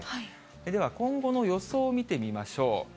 では今後の予想を見てみましょう。